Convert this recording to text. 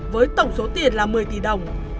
với tổng số tiền là một mươi tỷ đồng